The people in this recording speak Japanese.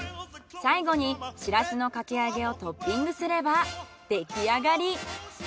最後にシラスのかき揚げをトッピングすればできあがり。